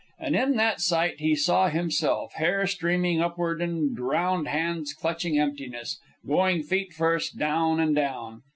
And in that sight he saw himself, hair streaming upward and drowned hands clutching emptiness, going feet first, down and down.